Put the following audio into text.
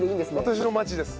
私の町です。